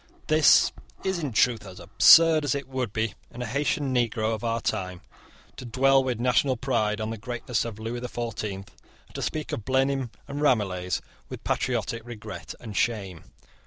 This is, in truth, as absurd as it would be in a Haytian negro of our time to dwell with national pride on the greatness of Lewis the Fourteenth, and to speak of Blenheim and Ramilies with patriotic regret and shame.